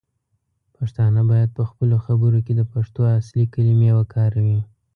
پښتانه باید پخپلو خبرو کې د پښتو اصلی کلمې وکاروي.